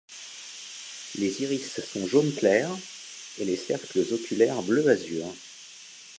Les iris sont jaune clair et les cercles oculaires bleu azur.